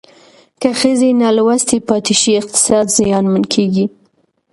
که ښځې نالوستې پاتې شي اقتصاد زیانمن کېږي.